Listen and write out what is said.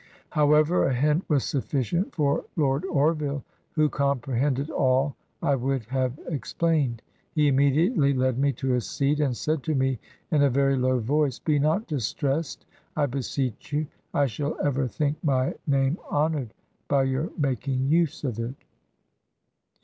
However, a hint was sufficient for Lord Orville, who comprehended all I would have ex plained. He immediately led me to a seat, and said to me in a very low voice, 'Be not distressed, I beseech you ; I shall ever think my name honored by your mak ing use of it.'